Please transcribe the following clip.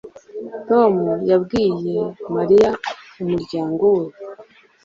Tom yabwiye Mariya umuryango we